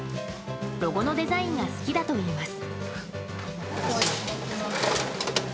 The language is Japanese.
ロゴのデザインが好きだといいます。